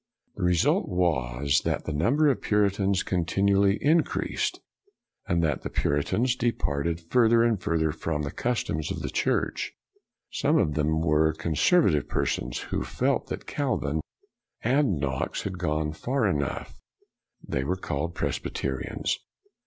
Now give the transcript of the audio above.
198 BREWSTER The result was that the number of Puritans continually increased, and that the Puri tans departed further and further from the customs of the Church. Some of them were conservative persons, who felt that Calvin and Knox had gone far enough; these were called Presbyterians.